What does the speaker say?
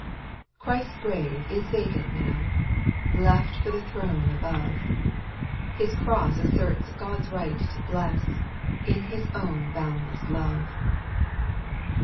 /CHRIST'S grave is vacant now, \J Left for the throne above, His cross asserts God's right to bless, In His own boundless love.